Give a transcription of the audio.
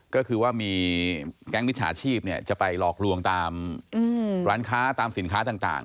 ก็คือว่ามีแก๊งมิจฉาชีพจะไปหลอกลวงตามร้านค้าตามสินค้าต่าง